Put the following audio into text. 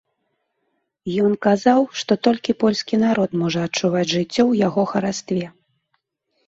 Ён казаў, што толькі польскі народ можа адчуваць жыццё ў яго харастве.